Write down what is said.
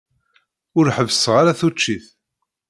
Ur ḥebbseɣ ara tuččit.